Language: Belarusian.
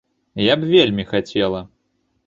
Я б вельмі хацела.